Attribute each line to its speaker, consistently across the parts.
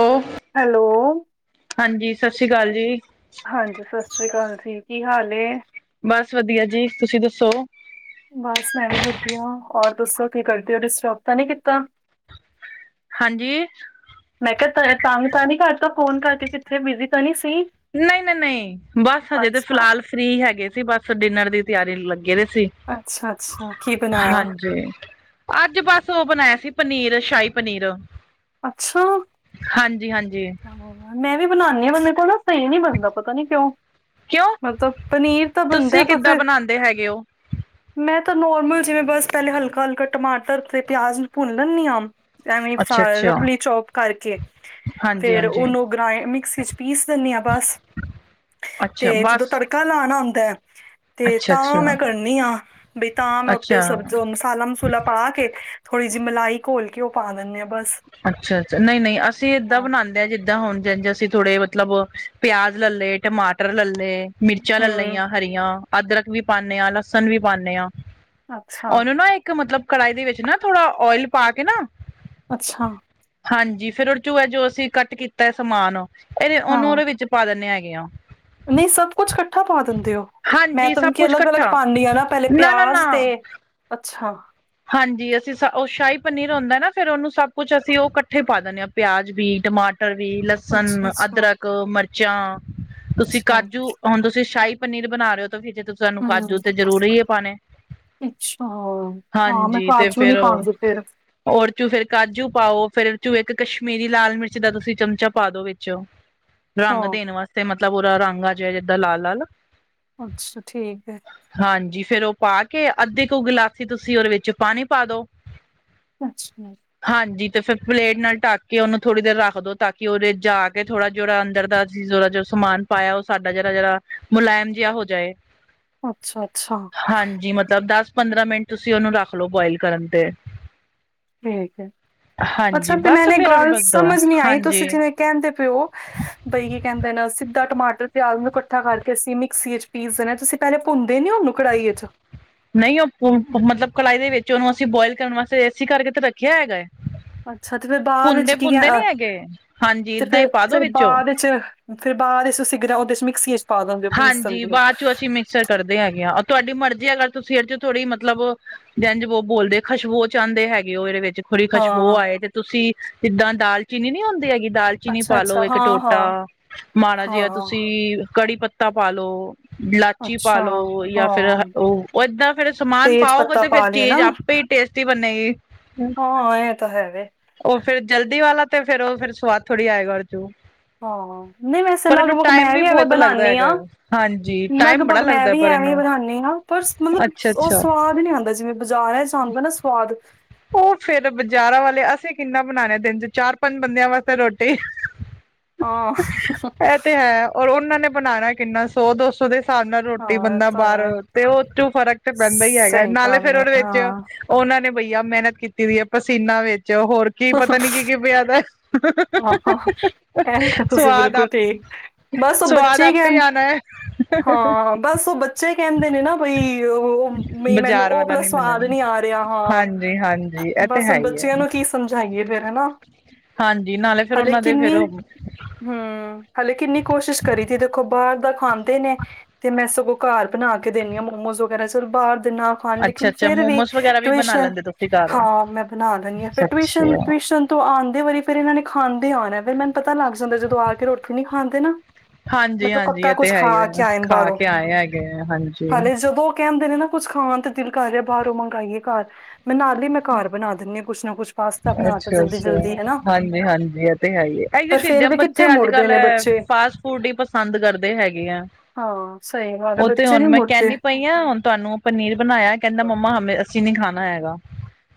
Speaker 1: ਔ ਕੇ
Speaker 2: ਹੈਲੋ?
Speaker 1: ਹਾਂਜੀ, ਸਤਿ ਸ਼੍ਰੀ ਅਕਾਲ ਜੀ।
Speaker 2: ਹਾਂਜੀ, ਸਤਿ ਸ੍ਰੀ ਅਕਾਲ ਜੀ, ਕੀ ਹਾਲ ਏ।
Speaker 1: ਬਸ ਵਧੀਆ ਜੀ, ਤੁਸੀਂ ਦੱਸੋ?
Speaker 2: ਬਸ ਮੈਂ ਵੀ ਵਧੀਆ ਹੋਰ ਦੱਸੋ ਕੀ ਕਰਦੇ ਹੋ ਡਿਸਟਰਬ ਤਾਂ ਨਹੀਂ ਕੀਤਾ-
Speaker 1: ਹਾਂਜੀ
Speaker 2: ਮੈਂ ਕਿਹਾ ਤਗ ਤਾਂ ਨਹੀਂ ਕਰਦਾ ਫੋਨ ਕਰਕੇ ਕਿੱਥੇ ਬਿਜ਼ੀ ਤਾਂ ਨਹੀਂ ਸੀ
Speaker 1: ਨਹੀ ਨਹੀ ਨਹੀਂ ਬਸ ਹਜੇ ਤੇ
Speaker 2: ਅੱਛਾ।
Speaker 1: ਫਿਲਹਾਲ ਫਰੀ ਸੀ ਡਿਨਰ ਦੀ ਤਿਆਰੀ ਕਰਨ ਲੱਗੇ ਸੀ
Speaker 2: ਅੱਛਾ-ਅੱਛਾ, ਕੀ ਬਣਾਇਆ?
Speaker 1: ਹਾਂਜੀ। ਅੱਜ ਬਸ ਉਹ ਬਣਾਇਆ ਸੀ, ਪਨੀਰ, ਸ਼ਾਹੀ ਪਨੀਰ।
Speaker 2: ਅੱਛਾ?
Speaker 1: ਹਾਂਜੀ ਹਾਂਜੀ
Speaker 2: ਹਾਂ, ਮੈਂ ਵੀ ਬਣਾਉਦੀ ਹਾਂ ਮੇਰੇ ਕੋਲ ਸਹੀ ਨੀ ਬਣਦਾ ਪਤਾ ਨੀ ਕਿਉਂ
Speaker 1: ਕਿਉਂ
Speaker 2: ਮਤਲੱਬ ਪਨੀਰ ਤਾਂ ਬਣਦਾ
Speaker 1: ਤੁਸੀਂ
Speaker 2: ਪਰ
Speaker 1: ਕਿੱਦਾਂ
Speaker 2: ਫਿਰ
Speaker 1: ਬਣਾਉਂਦੇ ਹੈਗੇ ਹੋ
Speaker 2: ਮੈਂ ਤਾਂ ਨੋਰਮਲ ਜਿਵੇਂ ਬੱਸ ਪਹਿਲੇ ਹਲਕਾ ਹਲਕਾ ਟਮਾਟਰ ਤੇ ਪਿਆਜ ਨੂੰ ਭੁੰਨ ਲੈਂਦੀ ਹਾਂ ਐਵੇਂ
Speaker 1: ਅੱਛਾ ਅੱਛਾ
Speaker 2: ਰਫਲੀ ਚੋਪ ਕਰਕੇ
Speaker 1: ਹਾਂਜੀ
Speaker 2: ਫੇਰ
Speaker 1: ਹਾਂਜੀ
Speaker 2: ਉਹਨੂੰ ਮਿਕਸੀ ਚੱ ਪੀਸ ਦਿੰਦੀ ਹਾਂ ਬਸ
Speaker 1: ਅੱਛਾ
Speaker 2: ਤੇ ਜਦੋਂ
Speaker 1: ਬਸ
Speaker 2: ਤੜੱਕਾ ਲਾਉਣ ਆਉਂਦਾ ਹੈ ਤੇ
Speaker 1: ਅੱਛਾ
Speaker 2: ਤਾਂ ਮੈਂ
Speaker 1: ਅੱਛਾ
Speaker 2: ਕਰਨੀ ਆ ਬਈ ਤਾਂ ਮੈਂ ਉੱਤੇ
Speaker 1: ਅੱਛਾ
Speaker 2: ਸਬਜ਼ੀ ਮਸਾਲਾ ਮਸੂਲਾ ਪਾ ਕੇ ਥੋੜ੍ਹੀ ਜਿਹੀ ਮਲਾਈ ਘੋਲ ਕੇ ਉਹ ਪਾ ਦਿੰਦੇ ਆਂ ਬਸ
Speaker 1: ਅੱਛਾ ਅੱਛਾ ਨਹੀਂ ਨਹੀਂ ਅਸੀਂ ਇਦਾਂ ਬਣਾਉਂਦੇ ਹਾਂ ਜਿੱਦਾ ਦਾਂ ਹੋਣ ਜਾਂਦੇ ਅਸੀਂ ਥੋੜੇ ਮੱਤਲਬ ਪਿਆਜ਼ ਲੈ ਲਏ ਟਮਾਟਰ ਲੈ ਲਏ ਮਿਰਚਾਂ ਲੈ
Speaker 2: ਹੂੰ
Speaker 1: ਲਈਆਂ ਹਰੀਆਂ ਅਦਰਕ ਵੀ ਪਾਉਦੇ ਹਾਂ ਲਸਣ ਵੀ ਪਾਉਣੇ ਹਾਂ
Speaker 2: ਅੱਛਾ
Speaker 1: ਉਹਨੂੰ ਨਾ ਇੱਕ ਮੱਤਲਬ ਕੜਾੱਹੀ ਦੇ ਵਿੱਚ ਨਾ ਥੋੜਾ ਓਇਲ ਪਾ ਕੇ ਨਾ
Speaker 2: ਅੱਛਾ
Speaker 1: ਹਾਂਜੀ ਫਿਰ ਉਹਦੇ ਹੈ ਜੋ ਅਸੀਂ ਕੱਟ ਕੀਤਾ ਸਮਾਨ ਇਹਦੇ ਉਹਨੂੰ
Speaker 2: ਹਾਂ
Speaker 1: ਉਹਦੇ ਵਿੱਚ ਪਾ ਦਿੰਦੇ ਹੈਗੇ ਆ
Speaker 2: ਨਹੀਂ ਸਭ ਕੁੱਛ ਇਕੱਠਾ ਪਾ ਦਿੰਦੇ ਹੋ ਮੈਂ
Speaker 1: ਹਾਂਜੀ
Speaker 2: ਤਾਂ
Speaker 1: ਸਭ ਕੁਛ
Speaker 2: ਅਲੱਗ ਅਲੱਗ
Speaker 1: ਇਕੱਠਾ
Speaker 2: ਪਾਉਂਦੀ ਹਾਂ ਨਾ ਪਹਿਲੇ
Speaker 1: ਨਾ
Speaker 2: ਪਿਆਜ਼ ਤੇ
Speaker 1: ਨਾ
Speaker 2: ਅੱਛਾ
Speaker 1: ਹਾਂਜੀ ਅਸੀਂ ਸ ਉਹ ਸ਼ਾਹੀ ਪਨੀਰ ਹੁੰਦਾ ਨਾ ਫ਼ੇਰ ਉਹਨੂੰ ਸੱਭ ਕੁੱਛ ਅਸੀਂ ਉਹ ਇਕੱਠੇ ਪਾ ਦਿੰਦੇ ਹਾਂ ਪਿਆਜ਼ ਵੀ ਟਮਾਟਰ ਵੀ ਲਸਣ
Speaker 2: ਅੱਛਾ
Speaker 1: ਲਸਣ
Speaker 2: ਅੱਛਾ
Speaker 1: ਅਦਰਕ ਮਿਰਚਾਂ ਤੁਸੀਂ
Speaker 2: ਅੱਛਾ
Speaker 1: ਕਾਜੂ ਹੁਣ ਤੁਸੀਂ ਸ਼ਾਹੀ ਪਨੀਰ ਬਣਾ ਰਹੇ ਹੋ ਤਾਂ ਫੇਰ ਤੇ ਸਾਨੂੰ ਕਾਜੂ
Speaker 2: ਹੂੰ
Speaker 1: ਤੇ ਜ਼ਰੂਰੀ ਹੈ ਪਾਉਣੇ
Speaker 2: ਅੱਛਾ ਹਾਂ ਮੈਂ
Speaker 1: ਤੇ
Speaker 2: ਕਾਜੂ ਨੀ
Speaker 1: ਫੇਰ ਉਹ
Speaker 2: ਪਾਉਂਦੀ ਫਿਰ
Speaker 1: ਔਰ ਚੂ ਫੇਰ ਕਾਜੂ ਪਾਓ ਫੇਿਰ ਚੂ ਇੱਕ ਕਸ਼ਮੀਰੀ ਲਾਲ ਮਿਰਚ ਦਾ ਤੁਸੀਂ ਚਮਚਾ ਪਾ ਦੋ ਵਿੱਚੋਂ
Speaker 2: [unintelligible]
Speaker 1: ਰੰਗ ਦੇਣ ਵਾਸਤੇ ਮੱਤਲਬ ਉਹਰਾ ਰੰਗ ਆ ਜਾਏ ਜਿੱਦਾਂ ਲਾਲ ਲਾਲ
Speaker 2: ਅੱਛਾ ਠੀਕ ਹੈ
Speaker 1: ਹਾਂਜੀ ਫਿਰ ਉਹ ਪਾ ਕੇ ਅੱਧੇ ਕੁ ਗਿਲਾਸੀ ਤੁਸੀਂ ਉਹਦੇ ਵਿੱਚ ਪਾਣੀ ਪਾ ਦੋ
Speaker 2: ਅੱਛਾ
Speaker 1: ਹਾਂਜੀ ਤੇ ਫਿਰ ਪਲੇਟ ਨਾਲ ਢੱਕ ਕੇ ਉਹਨੂੰ ਥੋੜ੍ਹੀ ਦੇਰ ਰੱਖ ਦੋ ਤਾਂ ਕਿ ਉਹਦੇ ਜਾ ਕੇ ਥੋੜ੍ਹਾ ਜਿਹੜਾ ਅੰਦਰ ਦਾ ਥੋੜਾ ਜਿਹਾ ਜੋ ਸਮਾਨ ਪਾਇਆ ਉਹ ਸਾਡਾ ਜਿਹੜਾ ਜਿਹੜਾ ਮੁਲਾਇਮ ਜਿਹਾ ਹੋ ਜਾਏ
Speaker 2: ਅੱਛਾ ਅੱਛਾ
Speaker 1: ਹਾਂਜੀ ਮੱਤਲਬ ਦਸ ਪੰਦਰਾਂ ਮਿੰਟ ਤੁਸੀਂ ਉਹਨੂੰ ਰੱਖ ਲਓ ਬੋਇਲ ਕਰਨ ਤੇ
Speaker 2: ਠੀਕ ਹੈ ਅੱਛਾ
Speaker 1: ਹਾਂਜੀ
Speaker 2: ਤੇ
Speaker 1: ਬਸ
Speaker 2: ਮੈਨੂੰ ਇਕ
Speaker 1: ਫੇਰ ਉਹਦੇ
Speaker 2: ਗੱਲ
Speaker 1: ਬਸ ਦੋ
Speaker 2: ਸਮਝ ਨੀ ਆਈ
Speaker 1: ਹਾਂਜੀ
Speaker 2: ਤੁਸੀਂ ਜਿਵੇਂ ਕਹਿੰਦੇ ਪਏ ਹੋ ਬਈ ਕੀ ਕਹਿੰਦੇ ਨੇ ਸਿੱਧਾ ਟਮਾਟਰ ਪਿਆਜ ਨੂੰ ਇਕੱਠਾ ਕਰਕੇ ਅਸੀਂ ਮਿਕਸੀ ਵਿਚ ਪੀਸ ਦੇਣਾ ਤੁਸੀਂ ਪਹਿਲੇ ਭੁੰਨਦੇ ਨੀ ਉਹਨੂੰ ਕੜਾਹੀ ਚੱ
Speaker 1: ਨਹੀਂ ਉਹ ਮੱਤਲਬ ਕੜਾਹੀ ਦੇ ਵਿੱਚ ਉਹਨੂੰ ਅਸੀਂ ਬੋਇਲ ਕਰਨ ਵਾਸਤੇ ਏਸੀ ਕਰਕੇ ਤਾਂ ਰੱਖਿਆ ਹੈਗਾ ਹੈ
Speaker 2: ਅੱਛਾ ਤੇ ਫਿਰ ਬਾਅਦ ਵਿੱਚ
Speaker 1: ਭੁੰਨਦੇ
Speaker 2: ਕੀਆਂ
Speaker 1: ਭੁੰਨਦੇ ਨੀ ਹੈਗੇ ਹਾਂਜੀ
Speaker 2: ਤੇ
Speaker 1: ਏਦਾਂ
Speaker 2: ਫਿਰ
Speaker 1: ਹੀ ਪਾ ਦੋ
Speaker 2: ਫਿਰ
Speaker 1: ਵਿੱਚੋਂ
Speaker 2: ਬਾਅ ਵਿੱਚ ਫਿਰ ਬਾਅਦ ਅਸੀਂ ਉਹਦੇ ਚ ਮਿਕਸੀ ਚ ਪਾ ਦਿੰਦੇ ਹੋ ਪੀਸ ਦਿੰਦੇ ਹੋ
Speaker 1: ਰ ਕਰਦੇ ਹੈਗੇ ਆ ਤੁਹਾਡੀ ਮਰਜ਼ੀ ਅਗਰ ਤੁਸੀਂ ਇਹ ਚੋਂ ਥੋੜ੍ਹੀ ਮੱਤਲਬ ਜੰਜ ਬੋ ਬੋਲਦੇ ਖਸ਼ਬੋ ਚਾਹਂਦੇ ਹੈਗੇ ਉਹ ਇਹਦੇ ਵਿੱਚ ਥੋੜੀ ਖੁਸ਼ਬੂ
Speaker 2: ਹਾਂ
Speaker 1: ਆਏ ਤੇ ਤੁਸੀਂ ਜਿੱਦਾਂ ਦਾਲਚੀਨੀ ਨੀ ਹੁੰਦੀ ਹੈਗੀ ਦਾਲ ਚੀਨੀ
Speaker 2: ਅੱਛਾ
Speaker 1: ਪਾਲੋ
Speaker 2: ਅੱਛਾ
Speaker 1: ਇੱਕ
Speaker 2: ਹਾਂ
Speaker 1: ਟੋਟਾ
Speaker 2: ਹਾਂ
Speaker 1: ਮਾੜਾ ਜਿਹਾ
Speaker 2: ਹਾਂ
Speaker 1: ਤੁਸੀਂ ਕੜੀ ਪੱਤਾ ਪਾਲੋ ਇਲਾਚੀ
Speaker 2: ਅੱਛਾ
Speaker 1: ਪਾਲੋ ਜਾਂ ਫਿਰ
Speaker 2: ਹਾਂ
Speaker 1: ਉਹ ਏਦਾਂ ਫਿਰ ਸਮਾਨ
Speaker 2: ਤੇਜ
Speaker 1: ਪਾਉਗੇ
Speaker 2: ਪੱਤਾ
Speaker 1: ਤੇ ਫਿਰ
Speaker 2: ਪਾ ਲਏ ਨਾ
Speaker 1: ਚੀਜ਼ ਆਪੇ ਹੀ ਟੇਸਟੀ ਬਣੇਗੀ।
Speaker 2: ਹਾਂ ਇਹ ਤਾਂ ਹੈਗੇ।
Speaker 1: ਉਹ ਫਿਰ ਜਲਦੀ ਵਾਲਾ ਤੇ ਫਿਰ ਉਹ ਫਿਰ ਸਵਾਦ ਥੋੜ੍ਹੀ ਆਏਗਾ ਉਦੇ ਚੋਂ।
Speaker 2: ਹਾਂ। ਨਹੀਂ ਵੈਸੇ
Speaker 1: ਪਰ ਇਹਨੂੰ
Speaker 2: ਲੱਗਭਗ
Speaker 1: ਟਾਈਮ
Speaker 2: ਮੈਂ ਵੀ ਐਵੇਂ
Speaker 1: ਬਹੁਤ ਲੱਗਦਾ
Speaker 2: ਬਣਾਨੀ
Speaker 1: ਹੈਗਾ
Speaker 2: ਆਂ।
Speaker 1: ਹਾਂਜੀ ਟਾਈਮ ਬੜਾ
Speaker 2: ਲੱਗਭਗ ਮੈਂ
Speaker 1: ਲੱਗਦਾ
Speaker 2: ਵੀ
Speaker 1: ਪਰ
Speaker 2: ਐਵੇਂ
Speaker 1: ਇਹਨੂੰ
Speaker 2: ਬਣਾਨੀ ਆ ਪਰ ਮੱਤਲਬ
Speaker 1: ਅੱਛਾ
Speaker 2: ਉਹ
Speaker 1: ਅੱਛਾ
Speaker 2: ਸਵਾਦ ਨੀ ਆਉਂਦਾ ਜਿਵੇਂ ਬਜ਼ਾਰ ਹੈ ਚੱ [unintelligible] ਆਂਦਾ ਨਾ ਸਵਾਦ
Speaker 1: ਉਹ ਫਿਰ ਬਾਜ਼ਾਰਾਂ ਵਾਲੇ ਅਸੀਂ ਕਿੰਨਾ ਬਣਾਣੇ ਦਿਨ 'ਚ ਚਾਰ ਪੰਜ ਬੰਦਿਆਂ ਵਾਸਤੇ ਰੋਟੀ।
Speaker 2: ਹਾਂ
Speaker 1: ਇਹ ਤੇ ਹੈ ਔਰ ਉਹਨਾਂ ਨੇ ਬਣਾਣਾ ਕਿੰਨਾ ਸੌ ਦੋ ਸੌ ਦੇ ਹਿਸਾਬ ਨਾਲ ਰੋਟੀ
Speaker 2: ਹਾਂ ਇਹ
Speaker 1: ਬੰਦਾ
Speaker 2: ਤਾਂ ਹੈ।
Speaker 1: ਬਾਹਰ ਤੇ ਉਹ ਚੋਂ ਫਰਕ ਤੇ ਪੈਂਦਾ ਈ ਹੈਗਾ
Speaker 2: ਸਹੀ
Speaker 1: ਨਾਲੇ
Speaker 2: ਗੱਲ
Speaker 1: ਫੇਰ
Speaker 2: ਏ
Speaker 1: ਉਹਦੇ ਵਿੱਚ।
Speaker 2: ਹਾਂ।
Speaker 1: ਉਹਨਾਂ ਨੇ ਬਈਆ ਮਿਹਨਤ ਕੀਤੀ ਦੀ ਹੈ ਪਸੀਨਾ ਵਿੱਚ ਹੋਰ ਕੀ ਪਤਾ ਨੀ ਕੀ ਕੀ ਪਿਆ ਦਾ।
Speaker 2: ਆਹ ਇਹ ਤਾਂ ਤੁਸੀਂ
Speaker 1: ਸਵਾਦ
Speaker 2: ਬਿਲਕੁਲ
Speaker 1: ਆਪ
Speaker 2: ਠੀਕ ਬਸ ਉਹ
Speaker 1: ਸਵਾਦ
Speaker 2: ਬੱਚੇ ਕ
Speaker 1: ਆਪੇ ਹੀ ਆਉਣਾ ਹੈ
Speaker 2: ਹਾਂ ਬਸ ਉਹ ਬੱਚੇ ਕਹਿੰਦੇ ਨੇ ਨਾ ਬਈ ਉਹ ਬਈ ਮੈਨੂੰ
Speaker 1: ਬਾਜ਼ਾਰ
Speaker 2: ਉਹ
Speaker 1: ਵਾਲਾ
Speaker 2: ਭਲਾ
Speaker 1: ਨੀ ਬਣਿਆ
Speaker 2: ਸਵਾਦ ਨਹੀਂ ਆ ਰਿਹਾ ਬਈ
Speaker 1: ਹਾਂਜੀ
Speaker 2: ਹਾਂ
Speaker 1: ਹਾਂਜੀ ਇਹ ਤੇ
Speaker 2: ਬਸ
Speaker 1: ਹੈ ਹੀ ਹੈ
Speaker 2: ਬੱਚਿਆਂ ਨੂੰ ਕੀ ਸਮਝਾਈਏ ਫ਼ਿਰ ਹਨਾ।
Speaker 1: ਹਾਂਜੀ ਨਾਲੇ ਫਿਰ
Speaker 2: ਹਲੇ
Speaker 1: ਉਹਨਾਂ ਦੇ ਫਿਰ।
Speaker 2: ਕਿੰਨੀ ਹੂੰ ਹਾਲੇ ਕਿੰਨੀ ਕੋਸ਼ਿਸ਼ ਕਰੀ ਤ ਦੇਖੋ ਬਾਹਰ ਦਾ ਖਾਂਦੇ ਨੇ। ਤੇ ਮੈਂ ਸਗੋਂ ਘਰ ਬਣਾ ਕੇ ਦੇਂਦੀ ਆਂ ਮੋਮੋਸ ਵਗੈਰਾ ਸਬ ਬਾਹਰ ਦੇ ਨਾਲ ਹਾਂ।
Speaker 1: ਅੱਛਾ
Speaker 2: ਲੇਕਿਨ
Speaker 1: ਅੱਛਾ
Speaker 2: ਫਿਰ ਵੀ
Speaker 1: ਮੋਮੋਸ ਵਗੈਰਾ ਵੀ ਬਣਾ
Speaker 2: ਟਵੀਸ਼ਨ
Speaker 1: ਲੈਂਦੇ ਤੁਸੀਂ ਘਰ
Speaker 2: ਹਾਂ ਮੈਂ ਬਣਾ ਦੇਨੀ ਆ। ਫਿਰ
Speaker 1: ਅੱਛਾ ਅੱਛਾ
Speaker 2: ਟਵੀਸ਼ਨ-ਟਵੀਸ਼ਨ ਤਾਂ ਆਉਂਦੇ ਵਾਰੀ ਫਿਰ ਇਹਨਾਂ ਨੇ ਖਾਂਦੇ ਆਉਣਾ ਫਿਰ ਮੈਨੂੰ ਪਤਾ ਲੱਗ ਜਾਂਦਾ ਜਦੋਂ ਆ ਕੇ ਰੋਟੀ ਕੇ ਨੀ ਖਾਂਦੇ ਨਾ।
Speaker 1: ਹਾਂਜੀ
Speaker 2: ਮਤਲਬ
Speaker 1: ਹਾਂਜੀ
Speaker 2: ਪੱਕਾ
Speaker 1: ਇਹ ਤੇ
Speaker 2: ਕੁਛ
Speaker 1: ਹੈ ਹੀ
Speaker 2: ਖਾ ਕੇ
Speaker 1: ਹੈ
Speaker 2: ਆਏ ਨੇ
Speaker 1: ਖਾ
Speaker 2: ਬਾਹਰੋਂ
Speaker 1: ਕੇ ਆਏ ਹੈਗੇ ਆ ਹਾਂਜੀ
Speaker 2: ਹਾਲੇ ਜਦੋਂ ਉਹ ਕਹਿੰਦੇ ਨੇ ਨਾ। ਕੁਛ ਖਾਣ ਤੇ ਦਿਲ ਕਰ ਰਿਹਾ ਬਾਹਰੋਂ ਮੰਗਾਈਏ ਘਰ, ਮੈਂ ਨਾਲ ਹੀ ਮੈਂ ਘਰ ਬਣਾ ਦਿੰਨੀ ਹਾਂ ਕੁਛ ਨਾ ਕੁਛ ਪਾਸਤਾ ਸਤਾ ਬਣਾਤਾ
Speaker 1: ਅੱਛਾ ਅੱਛਾ
Speaker 2: ਜਲਦੀ-ਜਲਦੀ ਹਨਾ।
Speaker 1: ਹਾਂਜੀ ਹਾਂਜੀ ਇਹ ਤੇ ਹੈ ਈ ਏ। ਇਹੀ
Speaker 2: ਪਰ ਫੇਰ
Speaker 1: ਚੀਜ਼ਾਂ
Speaker 2: ਵੀ ਕਿੱਥੇ
Speaker 1: ਬੱਚੇ ਅੱਜ
Speaker 2: ਮੁੜਦੇ
Speaker 1: ਕਲ
Speaker 2: ਨੇ ਬੱਚੇ
Speaker 1: ਫਾਸਟ ਫੂਡ ਹੀ ਪਸੰਦ ਕਰਦੇ ਹੈਗੇ ਆ।
Speaker 2: ਹਾਂ ਸਹੀ ਗੱਲ ਆ
Speaker 1: ਉਹ ਤੇ
Speaker 2: ਬਚੇ ਨੀ
Speaker 1: ਹੁਣ ਮੈਂ
Speaker 2: ਮੁੂੜਦੇ।
Speaker 1: ਕਹਿੰਦੀ ਪਈ ਹੁਣ [unintelligible] ਤੁਹਾਨੂੰ ਪਨੀਰ ਬਣਾਇਆ ਕਹਿੰਦਾ ਮੰਮਾ ਹ ਅਸੀਂ ਨੀ ਖਾਣਾ ਹੈਗਾ।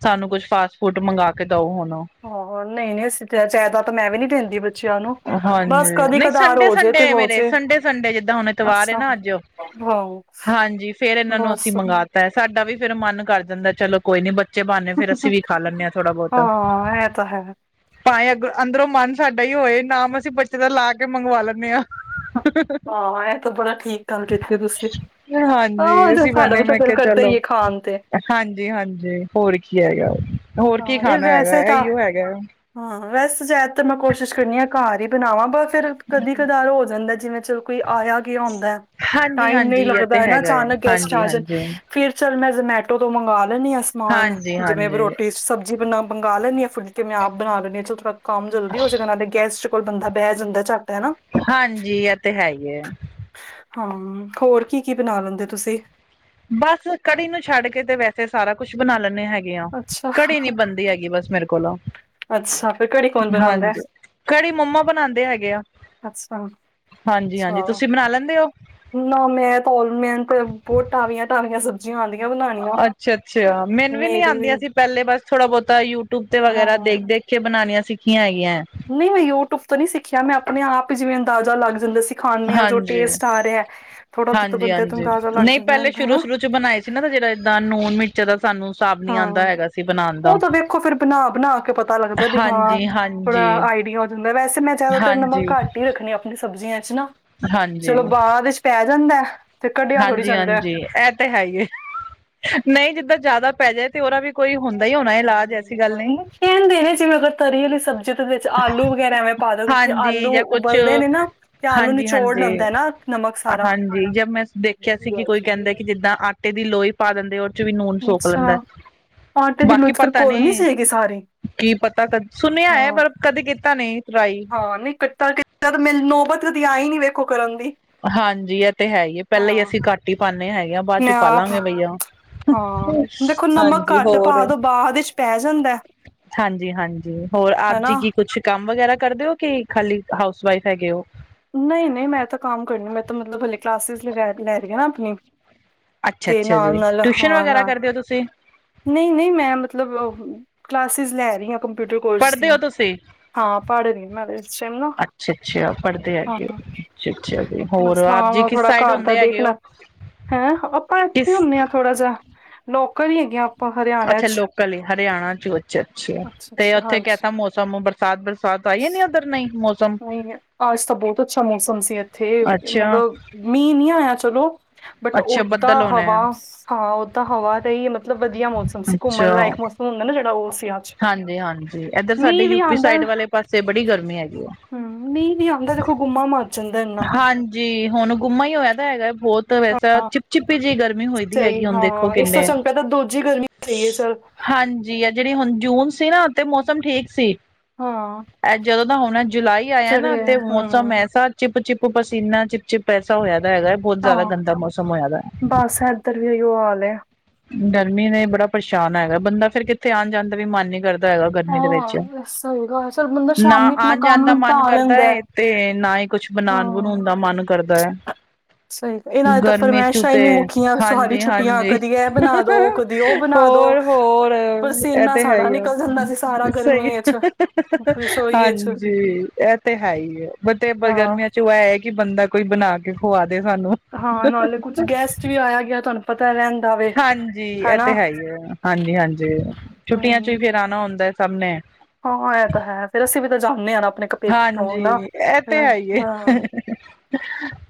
Speaker 1: ਸਾਨੂੰ ਕੁਛ ਫਾਸਟ ਫੂਡ ਮੰਗਾ ਕੇ ਦਓ ਹੁਣ।
Speaker 2: ਹਹ ਨਹੀਂ ਨਹੀਂ ਅਸੀਂ ਜਾਇਦਾਤ ਮੈਂ ਵੀ ਨੀ ਦਿੰਦੀ ਬੱਚਿਆਂ ਨੂੰ।
Speaker 1: ਹਾਂਜੀ
Speaker 2: ਬਸ
Speaker 1: ਨਹੀਂ
Speaker 2: ਕਦੀ-ਕਦਾਰ
Speaker 1: ਸੰਡੇ
Speaker 2: ਹੋ ਜੇ ਤੇ
Speaker 1: ਸੰਡੇ
Speaker 2: ਹੋ
Speaker 1: ਮੇਰੇ
Speaker 2: ਜੇ
Speaker 1: ਸੰਡੇ ਸੰਡੇ ਜਿੱਦਾਂ ਹੁਣ ਇਤਵਾਰਏ
Speaker 2: ਅੱਛਾ।
Speaker 1: ਨਾ ਅੱਜ।
Speaker 2: ਹਾਂ,
Speaker 1: ਹਾਂਜੀ ਫੇਰ ਇਹਨਾਂ ਨੂੰ
Speaker 2: ਬਸ
Speaker 1: ਅਸੀਂ ਮੰਗਵਾਤਾ ਹੈ ਸਾਡਾ ਵੀ ਫਿਰ ਮਨ ਕਰ ਦਿੰਦਾ ਚਲੋ। ਕੋਈ ਨੀ ਬੱਚੇ ਪਾਂਦੇ ਫੇਰ ਅਸੀਂ ਵੀ ਖਾ ਲੈਂਨੇ ਆ ਥੋੜਾ ਬਹੁਤ
Speaker 2: ਹਾਂ ਇਹ ਤਾਂ ਹੈ।
Speaker 1: ਭਾਵੇਂ ਅਗਰ ਅੰਦਰੋਂ ਮਨ ਸਾਡਾ ਹੀ ਹੋਏ ਨਾਮ ਅਸੀਂ ਬੱਚੇ ਦਾ ਲਾ ਕੇ ਮੰਗਵਾ ਲੈਂਨੇ ਆ।
Speaker 2: ਹਾਂ ਇਹ ਤਾਂ ਬੜਾ ਠੀਕ ਗੱਲ ਕੀਤੀ ਤੁਸੀਂ।
Speaker 1: ਹਾਂਜੀ
Speaker 2: ਆਹੋ ਸਾਡਾ ਵੀ ਦਿਲ ਕਰਦਾ ਈ ਏ ਖਾਣ ਤੇ।
Speaker 1: ਹਾਂਜੀ-ਹਾਂਜੀ ਹੋਰ ਕੀ ਹੈਗਾ, ਹੋਰ ਕੀ
Speaker 2: ਹਾਂ, ਨਹੀਂ
Speaker 1: ਖਾਣਾ ਹੈਗਾ,
Speaker 2: ਵੈਸੇ ਤਾਂ
Speaker 1: ਇਹੀਓ ਹੈਗਾ।
Speaker 2: ਹਾਂ ਵੈਸ ਜ਼ਿਆਦਾਤਰ ਮੈਂ ਕੋਸ਼ਿਸ਼ ਕਰਨੀ ਹਾਂ ਘਰ ਹੀ ਬਣਾਵਾਂ ਬ ਫਿਰ ਕਦੀ ਕਧਾਰ ਹੋ ਜਾਂਦਾ ਜਿਵੇਂ ਚਲ। ਕੋਈ ਆਇਆ ਗਿਆ ਹੁੰਦਾ
Speaker 1: ਹਾਂਜੀ
Speaker 2: ਟਾਈਮ ਨਹੀਂ
Speaker 1: ਹਾਂਜੀ ਇਹ
Speaker 2: ਲੱਗਦਾ
Speaker 1: ਤੇ
Speaker 2: ਐ ਨਾ
Speaker 1: ਹੈਗਾ ਹੈ
Speaker 2: ਅਚਾਨਕ ਗੈਸਟ
Speaker 1: ਹਾਂਜੀ
Speaker 2: ਆ ਜਾਣ।
Speaker 1: ਹਾਂਜੀ
Speaker 2: ਫੇਰ ਚੱਲ ਮੈਂ ਜ਼ਮੈਟੋ ਤੋਂ ਮੰਗਵਾ ਲੈਂਨੀ ਆ ਸਮਾਨ
Speaker 1: ਹਾਂਜੀ
Speaker 2: ਜਿਵੇਂ ਵਰੋ
Speaker 1: ਹਾਂਜੀ
Speaker 2: ਸਬਜ਼ੀ ਬਨਾ ਮੰਗਾ ਲੈਂਨੀ ਆ ਫੁਲਕੇ ਮੈਂ ਆਪ ਬਣਾ ਲੈਂਨੀ ਆ ਚਲੋ ਥੋੜਾ ਕੰਮ ਜਲਦੀ ਹੋਜੇਗਾ ਨਾਲੇ ਗੈਸਟ ਕੋਲ ਬੰਦਾ ਬਹਿ ਜਾਂਦਾ ਝੱਟ ਹਨਾਂ।
Speaker 1: ਹਾਂਜੀ ਇਹ ਤੇ ਈ ਐ।
Speaker 2: ਹਾਂ ਹੋਰ ਕੀ-ਕੀ ਬਣਾ ਲੈਂਦੇ ਤੁਸੀਂ?
Speaker 1: ਬਸ ਕੜੀ ਨੂੰ ਛੱਡ ਕੇ ਤੇ ਵੈਸੇ ਸਾਰਾ ਕੁਛ ਬਣਾ ਲੈਂਨੇ ਹੈਗੇ।
Speaker 2: ਅੱਛਾ
Speaker 1: ਕੜੀ ਨੀ ਬਣਦੀ ਹੈਗੀ ਬਸ ਮੇਰੇ ਕੋਲੋਂ।
Speaker 2: ਅੱਸਾ ਫਿਰ ਕੜੀ ਕੌਣ ਬਣਾਦਾ।
Speaker 1: ਹਾਂਜੀ ਕੜੀ ਮੰਮਾ ਬਣਾਦੇ ਹੈਗੇ ਆ।
Speaker 2: ਅੱਛਾ
Speaker 1: ਹਾਂਜੀ-ਹਾਂਜੀ
Speaker 2: ਅੱਛਾ
Speaker 1: ਤੁਸੀਂ ਬਣਾ ਲੈਂਦੇ ਓ?
Speaker 2: ਨਾ ਮੈਂ ਤਾਂ ਮ ਤੇ ਬਹੁਤ ਢਾਵੀਆਂ ਢਾਵੀਆਂ ਸਬ ਜ ਹਾਂਦੀਆਂ ਬਣ
Speaker 1: ਅੱਛਾ-ਅੱਛਾ! ਮੈਨੂੰ ਵੀ ਨੀ ਆਂਦੀਆਂ ਸੀ ਪਹਿਲੇ ਬਸ ਥੋੜਾ-ਬਹੁਤਾ ਯੂਟਿਊਬ ਤੇ ਵਗੈਰਾ
Speaker 2: ਹਾਂ
Speaker 1: ਦੇਖ-ਦੇਖ। ਪਿੱਛੇ ਬਣਾਉਣੀਆਂ ਸਿੱਖੀਆਂ ਹੈਗੀਆਂ
Speaker 2: ਨਹੀਂ ਮੈਂ ਯੂਟਿਊਬ ਤੋਂ ਨਹੀਂ ਸਿੱਖਿਆ ਮੈਂ ਆਪ ਆਪਣੇ ਆਪ ਹੀ ਜਿਵੇਂ ਅੰਦਾਜ਼ਾ ਲੱਗ ਜਾਂਦਾ ਸੀ ਖਾਂਦੇ ਹਾਂ ਜੋ
Speaker 1: ਹਾਂਜੀ
Speaker 2: ਟੇਸਟ ਆ ਰਿਹਾ ਹੈ
Speaker 1: ਹਾਂਜੀ- ਹਾਂਜੀ ਨਹੀਂ ਪਹਿਲੇ ਸ਼ੁਰੂ-
Speaker 2: ਹਨਾ
Speaker 1: ਸ਼ੁਰੂ ਚ ਬਣਾਏ ਸੀ ਨਾ ਜਿਹੜਾ ਇਏਦਾਂ ਨੂਨ ਮਿੱਰਚ ਜਦੋ ਸਾਨੂੰ ਹਿਸਾਬ ਨੀ
Speaker 2: ਹਾਂ
Speaker 1: ਆਉਂਦਾ ਹੈਗਾ ਸੀ ਬਣਾਉਣ ਦਾ,
Speaker 2: ਉਹ ਤਾਂ ਵੇਖੋ ਫਿਰ ਬਣਾ
Speaker 1: ਹਾਂਜੀ- ਹਾਂਜੀ
Speaker 2: ਥੋੜ੍ਹਾ ਆਈਡੀਆ ਹੋ ਜਾਂਦਾ ਵੈਸੇ ਮੈਂ ਜ਼ਿਆਦਾਤਰ
Speaker 1: ਹਾਂਜੀ
Speaker 2: ਨਮਕ ਘੱਟ ਹੀ ਰੱਖਣੀ ਆ ਆਪ ਸਬਜ਼ੀਆਂ ਚ ਨਾ, ਚਲੋ
Speaker 1: ਹਾਂਜੀ
Speaker 2: ਬਾਆਦ ਵਿੱਚ ਪੈ ਜਾਂਦਾ ਤੇ ਕੱਢਿਆ ਥੋੜ੍ਹੀ
Speaker 1: ਹਾਂਜੀ
Speaker 2: ਜਾਂਦਾ
Speaker 1: -ਹਾਂਜੀ ਇਹ ਤਾਂ ਹੈ, ਹੀ ਨਹੀਂ ਜਿੱਦਾਂ ਜ਼ਿਆਦਾ ਪੈ ਜਾਏ ਤੇ ਉਹਦਾ ਵੀ ਕੋਈ ਹੁੰਦਾ ਹੀ ਹੋਣਾ ਇਲਾਜ ਐਸੀ ਗੱਲ ਨਹੀਂ
Speaker 2: ਕਹਿਣ ਦੇ ਨੇ ਜਿਵੇਂ ਅਗਰ ਤਰੀ ਵਾਲੀ ਸਬਜੀ ਜਦੋ ਵਿੱਚ ਆਲੂ ਵਗੈਰਾ ਐਵੇਂ ਪਾ ਦੋ ਕਿਉਂਕਿ
Speaker 1: ਹਾਂਜੀ
Speaker 2: ਆਲੂ
Speaker 1: ਜਾਂ ਕੁਛ
Speaker 2: ਉਬਲਦੇ ਨੇ ਨਾ ਤੇ ਆਲੂ
Speaker 1: ਹਾਂਜੀ
Speaker 2: ਨਿਚੋੜ
Speaker 1: ਹਾਂਜੀ
Speaker 2: ਲੈਂਦਾ ਨਾ ਨਮਕ ਸਾਰਾ
Speaker 1: ਹਾਂਜੀ ਜਬ ਮੈਂ ਦੇਖਿਆ
Speaker 2: ਮੇਰੀ
Speaker 1: ਸੀ ਕਿ
Speaker 2: ਗੱਲ
Speaker 1: ਕੋਈ
Speaker 2: ਸਹੀ
Speaker 1: ਕਹਿੰਦਾ
Speaker 2: ਹੈ।
Speaker 1: ਕਿ ਜਿੱਦਾਂ ਆਟੇ ਦੀ ਲੋਈ ਪਾ ਦਿੰਦੇ ਵਿੱਚ ਵੀ ਲੂਣ ਸੋਖ
Speaker 2: ਅੱਛਾ
Speaker 1: ਲੈਂਦਾ
Speaker 2: ਆਟੇ ਦੀ
Speaker 1: ਬਾਕੀ
Speaker 2: ਲੁੱਥ ਫਿਰ
Speaker 1: ਪਤਾ
Speaker 2: ਕੋਲ
Speaker 1: ਨੀ,
Speaker 2: ਸੀਗੀ ਸਾਰੀ
Speaker 1: ਕੀ ਪਤਾ ਸੁਣਿਆ ਹੈ
Speaker 2: ਹਾਂ।
Speaker 1: ਪਰ ਕਦੇ ਕੀਤਾ ਨਹੀਂ ਟਰਾਈ
Speaker 2: ਹਾਂ ਨਹੀਂ ਕੀਤਾ ਮੇ ਕੀਤਾ ਨੌਬਤ ਨਹੀ ਆਈ ਨੀ ਕਦੇ ਕਰਨ ਦੀ
Speaker 1: ਹਾਂਜੀ ਇਹ ਤੇ ਹੈ ਹੀ ਹੈ ਪਹਿਲਾਂ ਹੀ
Speaker 2: ਹਾਂ।
Speaker 1: ਅਸੀਂ ਘੱਟ ਹੀ ਪਾਉਂਦੇ ਹੈਗੇ ਆਂ ਬਾਅਦ ਚ
Speaker 2: ਮੈਂ ਆਪ
Speaker 1: ਪਾਲਾਂਗੇ ਬਈਆ
Speaker 2: ਹਾਂ ਦੇਖੋ ਨਮਕ
Speaker 1: ਹਾਂਜੀ
Speaker 2: ਘੱਟ
Speaker 1: ਹੋਰ
Speaker 2: ਪਾਦੋ ਬਾਅਦ ਦੇ ਵਿੱਚ ਪੈ ਜਾਂਦਾ
Speaker 1: ਹਾਂਜੀ- ਹਾਂਜੀ ਹੋਰ ਆਪ ਜੀ
Speaker 2: ਹਨਾ।
Speaker 1: ਕੀ ਕੁਛ ਕੰਮ ਵਗੈਰਾ ਕਰਦੇ ਹੋ ਕਿ ਖਾਲੀ ਹਾਊਸ ਵਈਫ ਹੈਗੇ ਉਹ
Speaker 2: ਨਹੀਂ -ਨਹੀਂ ਮੈਂ ਤਾਂ ਕੰਮ ਕਰਨੀ ਮੈਂ ਤਾਂ ਮਤਲਬ ਹਲੇ ਕਲਾਸਿਸ ਲੈ ਰਹੀ ਹੈ ਨਾ ਆਪਣੀ
Speaker 1: ਅੱਛਾ,
Speaker 2: ਤੇ
Speaker 1: ਅੱਛਾ ਜੀ
Speaker 2: ਨਾਲ ਨਾਲ
Speaker 1: ਟਿਊਸ਼ਨ
Speaker 2: ਹਾਂ
Speaker 1: ਵਗੈਰਾ
Speaker 2: ਨਾਲ
Speaker 1: ਕਰਦੇ ਹੋ ਤੁਸੀਂ
Speaker 2: ਨਹੀਂ -ਨਹੀਂ ਮੈਂ ਮਤਲਬ ਕਲਾਸਿਸ ਲੈ ਰਹੀ ਹਾਂ ਕੰ ਕੋਰਸ
Speaker 1: ਪੜ੍ਹਦੇ
Speaker 2: ਦੀਆਂ
Speaker 1: ਹੋ ਤੁਸੀਂ
Speaker 2: ਹਾਂ ਪੜੇ ਟਮ
Speaker 1: ਅੱਛਾ ਅੱਛਾ ਪੜਦੇ ਹੈਗੇ ਉਹ, ਅੱਛਾ-ਅੱਛਾ ਜੀ ਹੋਰ
Speaker 2: ਬਸ
Speaker 1: ਆਪ
Speaker 2: ਨਾਲ
Speaker 1: ਜੀ
Speaker 2: ਨਾਲ
Speaker 1: ਕਿਸ
Speaker 2: ਥੋੜਾ
Speaker 1: ਸਾਈਡ
Speaker 2: ਘਰ ਦਾ
Speaker 1: ਹੁੰਦੇ ਹੈਗੇ
Speaker 2: ਦੇਖਣਾ
Speaker 1: ਉਹ
Speaker 2: ਹੈਂ ਆਪਾਂ ਇੱਥੇ ਹੀ ਹੁੰਦੇ ਹਾਂ ਥੋੜਾ ਜਿਹਾ, ਨੌਕਰ ਹੀ ਹੈਗੇ ਹਰਿਆਣਾ
Speaker 1: ਅੱਛਾ
Speaker 2: ਚ
Speaker 1: ਲੋਕਲ ਹੀ ਹਰਿਆਣਾ ਚ ਅੱਛਾ ਅੱਛਾ ਆ ਤੇ
Speaker 2: ਅੱਛਾ
Speaker 1: ਉੱਥੇ ਕੈਸਾ
Speaker 2: ਹਾਂਜੀ
Speaker 1: ਤਾ ਮੌਸਮ ਬਰਸਾਤ ਬਰਸਾਤ ਆਈ ਨ ਉਧਰ ਨਹੀਂ ਮੌਸਮ
Speaker 2: ਨਹੀਂ ਅੱਜ ਤਾਂ ਬਹੁਤ ਅੱਛਾ ਮੌਸਮ ਸੀ ਇੱਥੇ,
Speaker 1: ਅੱਛਾ
Speaker 2: ਮਤਲਬ ਮੀਂਹ ਨੀ ਆਇਆ ਚਲੋ ਬਟ
Speaker 1: ਅੱਛਾ ਬੱਦਲ
Speaker 2: ਓਦਾਂ
Speaker 1: ਹੋਣਾ ਹੈ
Speaker 2: ਹਵਾ ਹਾਂ ਉਹ ਤਾਂ ਹਵਾ ਤਾਂ ਹੀ ਮਤਲਬ ਵਧੀਆ ਮੌਸਮ ਸੀ ਘੁੰਮਣ
Speaker 1: ਅੱਛਾ
Speaker 2: ਲਾਇਕ ਮੌਸਮ ਹੁੰਦਾ ਨਾ ਜਿਹੜਾ ਉਹ ਸੀ ਅੱਜ
Speaker 1: ਹਾਂਜੀ- ਹਾਂਜੀ ਇੱਧਰ ਸਾਡੇ
Speaker 2: ਮੀਂਹ ਵੀ
Speaker 1: ਯੂਪੀ
Speaker 2: ਆਉਂਦਾ
Speaker 1: ਸਾਈਡ ਵਾਲੇ ਪਾਸੇ ਬੜੀ ਗਰਮੀ ਹੈਗੀ ਆ
Speaker 2: ਹਮ ਨਹੀਂ ਨਹੀਂ ਆਉਂਦਾ ਦੇਖੋ ਬੁਮਾ ਮਰ ਜਾਂਦਾ ਇੰਨਾ
Speaker 1: ਹਾਂਜੀ, ਹੁਣ ਗੁੰਮਾ ਹੀ ਹੋਇਆ ਤਾਂ ਹੈਗਾ ਬਹੁਤ ਵੈਸਾ ਚਿਪ ਚਿਪੀ ਜਿਹੀ ਗਰਮੀ ਹੋਈ ਦੀ ਹੈਗੀ
Speaker 2: ਸਹੀ
Speaker 1: ਹੁਣ ਦੇਖੋ
Speaker 2: ਹਾਂ ਇਸ ਤੋਂ
Speaker 1: ਕਿੰਨੇ,
Speaker 2: ਚੰਗਾ ਤਾਂ ਦੂਜੀ ਗਰਮੀ ਸਹੀ ਹੈ ਚੱਲ
Speaker 1: ਹਾਂਜੀ ਜੀ ਆ ਜਿਹੜੀ ਹੁਣ ਜੂਨ ਸੀ ਨਾ ਮੌਸਮ ਠੀਕ ਸੀ
Speaker 2: ਹਾਂ
Speaker 1: ਇਹ ਜਦੋਂ ਤਾਂ ਹੁਣ ਜੁਲਾਈ ਆਇਆ ਨਾ
Speaker 2: ਚਲੇ
Speaker 1: ਤੇ
Speaker 2: ਹਮ
Speaker 1: ਮੌਸਮ ਐਸਾ ਚਿਪ ਚਿਪ ਪਸੀਨਾ, ਚਿਪ ਚਿਪ ਪੈਸਾ ਹੋਇਆ ਤਾਂ ਹੈਗਾ ਬਹੁਤ ਜ਼ਿਆਦਾ
Speaker 2: ਹਾਂ
Speaker 1: ਗੰਦਾ ਮੌਸਮ ਹੋਆਦਾ ਹੈ
Speaker 2: ਬਸ ਇੱਧਰ ਵੀ ਇਹੀਓ ਹਾਲ ਹੈ
Speaker 1: ਗਰਮੀ ਨੇ ਬੜਾ ਪਰੇਸ਼ਾਨ ਹੈਗਾ ਬੰਦਾ ਫਿਰ ਕਿੱਥੇ ਆਉਣ ਜਾਣ ਦਾ ਵੀ ਮਨ ਨਹੀਂ ਕਰਦਾ ਹੈਗਾ ਗਰਮੀ ਦੇ ਵਿੱਚ,
Speaker 2: ਹਾਂ ਸਹੀ ਗੱਲ ਚਲ ਬੰਦਾ
Speaker 1: ਨਾ
Speaker 2: ਸ਼ਾਮੀ ਆਪਣਾ
Speaker 1: ਆਉਣ ਜਾਣ
Speaker 2: ਕੰਮ
Speaker 1: ਦਾ ਮਨ
Speaker 2: ਨਿਪਟਾ
Speaker 1: ਕਰਦਾ
Speaker 2: ਲੈਂਦਾ
Speaker 1: ਹੈ ਤੇ ਨਾ ਹੀ ਕੁਛ ਬਣਾਉਣ ਬਣਾਉਣ
Speaker 2: ਹਾਂ।
Speaker 1: ਦਾ ਮਨ ਕਰਦਾ ਹੈ
Speaker 2: ਸਹੀ ਗ- ਇਹਨਾਂ ਦੀ ਤਾਂ
Speaker 1: ਗਰਮੀ ਚ
Speaker 2: ਫਰਮਾਇਸ਼ਾਂ ਹੀ
Speaker 1: ਤੇ,
Speaker 2: ਨੀ ਮੁੱਕੀਆਂ ਸਾਰੀ
Speaker 1: ਹਾਂਜੀ
Speaker 2: ਛੁੱਟੀਆਂ
Speaker 1: -ਹਾਂਜੀ
Speaker 2: ਕਦੀ ਇਹ ਬਣਾ ਦੋ ਕਦੀ ਉਹ ਬਣਾ ਦੋ
Speaker 1: ਹੋਰ- ਹੋਰ ਇਹ
Speaker 2: ਪਸੀਨਾ
Speaker 1: ਤੇ ਹੈ
Speaker 2: ਸਾਡਾ
Speaker 1: ਹੀ ਆ
Speaker 2: ਨਿਕਲ ਜਾਂਦਾ ਸੀ ਸਾਰਾ
Speaker 1: ਸਹੀ
Speaker 2: ਗਰਮੀ ਵਿੱਚ ਰਸੋਈ ਵਿੱਚ
Speaker 1: ਹਾਂਜੀ ਇਹ ਤੇ ਹੈ ਹੀ ਏ ਬਟ
Speaker 2: ਹਾਂ
Speaker 1: ਗਰਮੀਆਂ ਚ ਕਿ ਬੰਦਾ ਕੋਈ ਬਣਾ ਕੇ ਖੁਵਾ ਦੇ ਸਾਨੂੰ
Speaker 2: ਹਾਂ ਨਾਲੇ ਕੁੱਛ ਗੈਸਟ ਵੀ ਆਇਆ ਗਿਆ ਤੁਹਾਨੂੰ ਪਤਾ ਰਹਿੰਦਾ ਵੇ
Speaker 1: ਹਾਂਜੀ ਇਹ
Speaker 2: ਹਨਾ
Speaker 1: ਤੇ ਹੈ ਹੀ ਹੈ ਹਾਂਜੀ -ਹਾਂਜੀ ਛੁੱਟੀਆਂ ਚ ਵੀ ਫਿਰ ਆਉਣਾ ਹੁੰਦਾ ਸਭ ਨੇ
Speaker 2: ਹਾਂ ਇਹ ਤਾਂ ਹੈ ਫੇਰ ਅਸੀਂ ਵੀ ਤਾਂ ਜਾਂਦੇ ਹਾਂ ਨਾ ਆਪਣੇ ਪੇਕੇ ਤੋਂ
Speaker 1: ਹਾਂਜੀ
Speaker 2: ਹਨਾ
Speaker 1: ਇਹ ਤੇ
Speaker 2: ਹਾਂ
Speaker 1: ਹੈ ਹੀ ਏ
Speaker 2: ਹਾਂ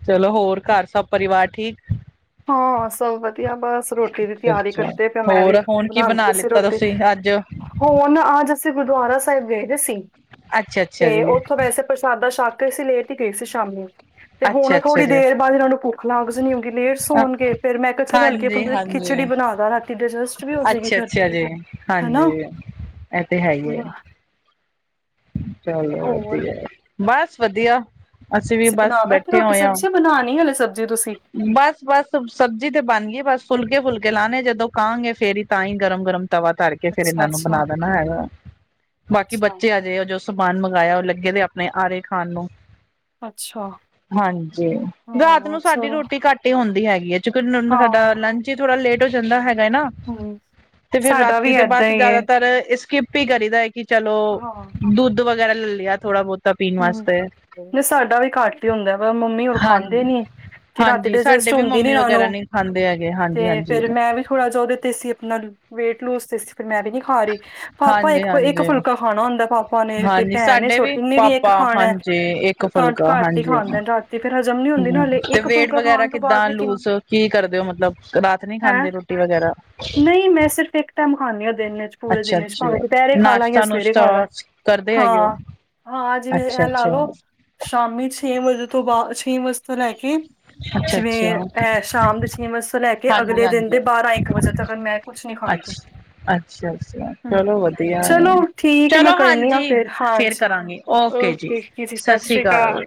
Speaker 1: ਚਲੋ ਹੋਰ ਘਰ ਸਭ ਪਰਿਵਾਰ ਠੀਕ
Speaker 2: ਹਾਂ ਸਭ ਵਧੀਆ ਬਸ ਰੋਟੀ ਦੀ ਤਿਆਰੀ
Speaker 1: ਅੱਛਾ
Speaker 2: ਕਰਦੇ ਪਏ ਮੈਂ ਵੀ
Speaker 1: ਹੋਰ ਹੁਣ ਕੀ
Speaker 2: ਬਣਾਉਂਦੀ
Speaker 1: ਬਣਾ
Speaker 2: ਪਈ ਸੀ ਰੋ
Speaker 1: ਲਿੱਤਾ ਤੁਸੀਂ [unintelligible] ਅੱਜ
Speaker 2: ਹੋਣ ਅੱਜ ਅਸੀਂ ਗੁਰਦੁਆਰਾ ਸਾਹਿਬ ਗਏ ਵੇ ਸੀ
Speaker 1: ਅੱਛਾ ਅੱਛਾ
Speaker 2: ਤੇ
Speaker 1: ਜੀ
Speaker 2: ਉੱਥੋਂ ਵੈਸੇ ਪ੍ਰਸ਼ਾਦਾ ਸ਼ਕ ਅਸੀ ਲੇਟ ਹੀ ਗਈ ਸੀ ਸ਼ਾਮ ਨੂੰ ਤੇ
Speaker 1: ਅੱਛਾ
Speaker 2: ਹੁਣ
Speaker 1: ਅੱਛਾ
Speaker 2: ਥੋੜੀ
Speaker 1: ਜੀ
Speaker 2: ਦੇਰ ਬਾਅਦ ਇਹਨਾਂ ਨੂੰ ਭੁੱਖ ਲਾਂਗ ਜਾ ਨੀ ਆਉਗੀ ਲੇਟ ਹੋਣਗੇ ਫੇਰ ਮੈਂ ਕਿਹਾ ਚੱਲ ਰਲਕੇ ਆਪ
Speaker 1: ਹਾਂਜੀ
Speaker 2: [unintelligible] ਖਿਚੜੀ
Speaker 1: ਹਾਂਜੀ
Speaker 2: ਬਣਾਦਾ ਰ ਡਜਸਟ ਵੀ ਹੋ ਜਾਏਗੀ
Speaker 1: ਅੱਛਾ
Speaker 2: ਫਿਰ
Speaker 1: ਅੱਛਾ ਜੀ
Speaker 2: ਹਨਾ
Speaker 1: ਹਾਂਜੀ ਇਹ ਤੇ ਹੈ ਹੀ ਹੈ
Speaker 2: ਬਾਹ
Speaker 1: ਚਲੋ
Speaker 2: ਹੋਰ
Speaker 1: ਵਧੀਆ ਐ ਬਸ ਵਧੀਆ ਵੀ
Speaker 2: ਅਸੀਂ
Speaker 1: ਬਸ
Speaker 2: ਬਣਾ ਬੈਠੇ ਰੋਟੀ
Speaker 1: ਹੋਏ ਹਾਂ
Speaker 2: ਸਬਜ਼ੀ ਆ ਬਣਾਣੀਈ ਹੇ ਸਬਜ਼ੀ ਤੁਸੀਂ
Speaker 1: ਬਸ ਬਸ ਸਬਜ਼ੀ ਤੇ ਬਣ ਗੀ ਏ ਬਸ ਫੁਲਕੇ ਫੁਲਕੇ ਲਾਣੇ ਜਦੋਂ ਕਾਹਾਂਗੇ ਫੇਰ ਹੀ ਤਾਂ ਹੀ ਗਰਮ ਗਰਮ ਤਵਾ ਧਰ ਕੇ ਫੇਰ
Speaker 2: ਅੱਛਾ
Speaker 1: ਇਹਨਾਂ ਨੂੰ ਬਣਾ
Speaker 2: ਅੱਛਾ
Speaker 1: ਦੇਣਾ ਹੈਗਾ ਬਾਕੀ
Speaker 2: ਅੱਛਾ
Speaker 1: ਬੱਚੇ ਆਜੇ ਜੋ [unintelligible] ਸਮਾਨ ਮੰਗਾਇਆ ਉਹ ਲੱਗੇ ਨੇ ਆਪਣੇ ਆਰੇ ਖਾਨ ਨੂੰ
Speaker 2: ਅੱਛਾ
Speaker 1: ਹਾਂਜੀ ਰਾਤ
Speaker 2: ਹਾਂ
Speaker 1: ਨੂੰ ਸਾਡੀ
Speaker 2: ਚਲੋ
Speaker 1: ਰੋਟੀ ਘੱਟ ਹੀ ਹੁੰਦੀ ਹੈਗੀ ਹੈ ਤਾਂਕਿ [unintelligible] ਸਾਡਾ
Speaker 2: ਹਾਂ
Speaker 1: ਲੰਚ ਚ ਈ ਥੋੜਾ ਲੇਟ ਹੋ ਜਾਂਦਾ ਹੈਗਾ ਐ ਨਾ
Speaker 2: ਹਮ
Speaker 1: ਤੇ ਫੇਰ
Speaker 2: ਸਾਡਾ
Speaker 1: ਰਾਤੀ
Speaker 2: ਵੀ
Speaker 1: ਤੇ
Speaker 2: ਏਦਾਂ
Speaker 1: ਬਸ
Speaker 2: ਹੀ ਹੈ
Speaker 1: ਜਿਆਦਾਤਰ ਇਸ ਏਸਕਿਪ ਕਿਪ ਈ ਕਰੀਦਾ ਹੈ ਕਿ ਚਲੋ
Speaker 2: ਹਾਂ
Speaker 1: ਦੁੱਧ ਵਗੈਰਾ ਲ ਲਿਆ ਥੋੜਾ ਬਹੁਤਾ ਪੀਣ ਵਾਸਤੇ
Speaker 2: ਹੀਂ ਸਾਡਾ ਵੀ ਘੱਟ ਹੀ ਹੁੰਦਾ ਵਾ ਮੰਮੀ ਹੁਣ ਖਾਂਦੇ
Speaker 1: ਹਾਂਜੀ
Speaker 2: ਨੀ ਕਿ ਰਾਤੀ
Speaker 1: ਹਾਂਜੀ ਸਾਡੇ
Speaker 2: ਡਾਇਜਸਟ
Speaker 1: ਵੀ
Speaker 2: ਹੁੰਦੀ ਨੀ
Speaker 1: ਮੰਮੀ
Speaker 2: ਇਹਨਾ
Speaker 1: ਵਗੈਰਾ
Speaker 2: ਨੂੰ
Speaker 1: ਨਹੀਂ ਖਾਂਦੇ ਹੈਗੇ ਹਾਂਜੀ
Speaker 2: ਤੇ
Speaker 1: ਹਾਂਜੀ
Speaker 2: ਫੇਰ ਮੈਂ ਵੀ ਥੋੜਾ ਜਿਹਾ ਉਹਦੇ ਤੇ ਸੀ ਆਪਣਾ ਵੇਟ ਲੂਜ ਤੇ ਸੀ ਫਿਰ ਮੈਂ ਵੀ ਨੀ ਖਾਰੀ ਪਾਪਾ
Speaker 1: ਹਾਂਜੀ
Speaker 2: ਇੱਕ ਇੱਕ
Speaker 1: ਹਾਂਜੀ
Speaker 2: ਫੁਲਕਾ ਖਾਣਾ ਹੁੰਦਾ ਪਾਪਾ ਨੇ ਤੇ
Speaker 1: ਹਾਂਜੀ
Speaker 2: ਭੈਣ ਏ
Speaker 1: ਸਾਡੇ
Speaker 2: ਛੋਟੀ ਓਹਨੇ ਵੀ ਇ
Speaker 1: ਪਾਪਾ
Speaker 2: ਖਾਣਾ ਐ
Speaker 1: ਹਾਂਜੀ ਇੱਕ
Speaker 2: ਘਟ
Speaker 1: ਫੁਲਕਾ
Speaker 2: ਘਾਟ ਹੀ
Speaker 1: ਹਾਂਜੀ
Speaker 2: ਖਾਂਦੇ ਰਾਤੀ ਫੇਰ ਹਜ਼ਮ ਨੀ ਹੁੰਦੀ ਨਾ ਹਾਲੇ ਇੱਕ ਫੁਲਕਾ ਖਾਣ ਤੋਂ ਬਾਅਦ ਵੀ ਕਿੰ
Speaker 1: ਚ ਕੀ ਕਰਦੇ ਹੋ ਮਤਲਬ ਰਾਤ ਨੀ ਖਾਂਦੇ ਰੋਟੀ ਵਗੈਰਾ
Speaker 2: ਟੈਮ ਖਾਨੀ ਆ ਦਿਨ ਇਚ ਪੂਰੇ
Speaker 1: ਅੱਛਾ
Speaker 2: ਦਿਨ ਚ
Speaker 1: ਅੱਛਾ
Speaker 2: ਭਾਵੇਂ ਦੁਪਹਿਰੇ ਖਾ ਲਾ ਜਾਂ
Speaker 1: ਨਾਸ਼ਤਾ
Speaker 2: ਸਵੇਰੇ
Speaker 1: ਨੁਸ਼ਤਾ
Speaker 2: ਖਾ ਲਾ
Speaker 1: ਕਰਦੇ ਹੈਗੇ ਹੋ
Speaker 2: ਹਾਂ ਹਾਂ ਜਿਵੇਂ
Speaker 1: ਅੱਛਾ
Speaker 2: ਐ ਲਾ
Speaker 1: ਅੱਛਾ
Speaker 2: ਲਓ ਸ਼ਾਮੀ ਛੇ ਵਜੇ ਤੋਂ ਬਾਅਦ ਛੇ ਵਜੇ ਤੋਂ ਲੈ ਕੇ
Speaker 1: ਅੱਛਾ
Speaker 2: ਜਿਵੇਂ
Speaker 1: ਅੱਛਾ
Speaker 2: ਐ ਸ਼ਾਮ ਦੇ ਛੇ ਵਜੇ ਤੋਂ ਲੈ ਕੇ
Speaker 1: ਹਾਂਜੀ
Speaker 2: ਅਗਲੇ ਦਿਨ ਦੇ
Speaker 1: ਹਾਂਜੀ
Speaker 2: ਬਾਰਾਂ ਇੱਕ ਵਜੇ ਤੱਕ ਮੈਂ ਕੁਛ ਨਹੀਂ ਖਾਂਦੀ
Speaker 1: ਅੱਛਾ ਅੱਛਾ ਅੱਛਾ
Speaker 2: ਹਮ
Speaker 1: ਚਲੋ ਵਧੀਆ ਹੈ
Speaker 2: ਚਲੋ ਠੀਕ ਹੈ ਮੈਂ
Speaker 1: ਚਲੋ
Speaker 2: ਕਰਨੀ ਆਂ
Speaker 1: ਹਾਂਜੀ
Speaker 2: ਫੇਰ ਹਾਂਜੀ
Speaker 1: ਕਰਾਂਗੇ
Speaker 2: ਓਕੇ ਜ ਜੀ [unintelligible] ਸ
Speaker 1: ਸਤਿ ਸ੍ਰੀ
Speaker 2: ਸ਼੍ਰੀ ਕਾ
Speaker 1: ਅਕਾਲ